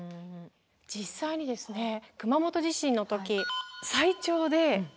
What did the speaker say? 実際にですね熊本地震の時最長で７か月続いた。